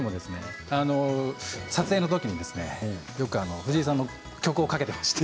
撮影のときによく藤井さんの曲をかけていまして。